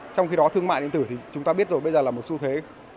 trong khi đó thương mại điện tử thì chúng ta biết rồi bây giờ là một xu thế